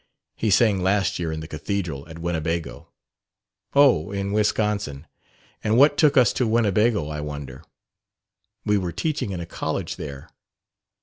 He sang last year in the cathedral at Winnebago." "Oh, in Wisconsin. And what took us to Winnebago, I wonder?" "We were teaching in a college there."